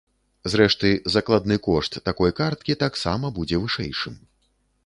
Зрэшты, закладны кошт такой карткі таксама будзе вышэйшым.